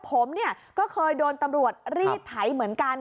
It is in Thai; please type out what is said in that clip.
ผมเนี่ยก็เคยโดนตำรวจรีดไถเหมือนกัน